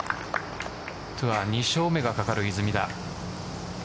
ツアー２勝目がかかる出水田。